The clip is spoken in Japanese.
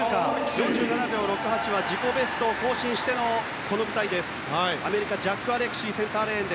４７秒６８は自己ベストを更新してのこの舞台です、アメリカジャック・アレクシー。